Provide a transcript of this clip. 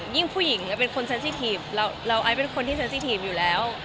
ยิ่งผู้หญิงเป็นคนเซ็นสิทีฟเราไอ้เป็นคนที่เซ็นสิทีฟอยู่แล้ว